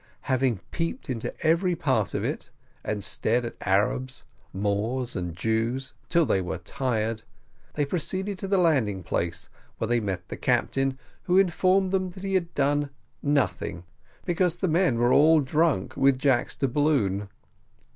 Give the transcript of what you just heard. Having peeped into every part of it, and stared at Arabs, Moors, and Jews, till they were tired, they proceeded to the landing place, where they met the captain, who informed them that he had done nothing, because the men were all drunk with Jack's doubloon.